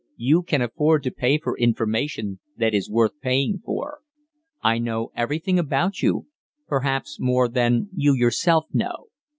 "You can afford to pay for information that is worth paying for. I know everything about you, perhaps more than you yourself know.